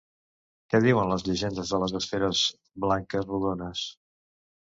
Què diuen les llegendes de les esferes blanques rodones?